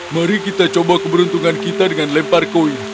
mari kita coba keberuntungan kita dengan lempar koin